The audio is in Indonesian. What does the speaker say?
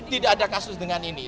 tidak ada kasus dengan ini